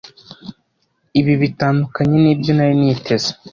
Ibi bitandukanye nibyo nari niteze.